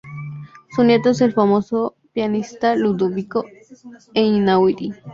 Su nieto es el famoso pianista Ludovico Einaudi.